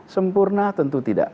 sempurna tentu tidak